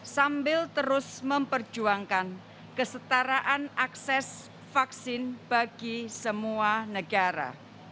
sambil terus memperjuangkan kesetaraan akses vaksin bagi semua negara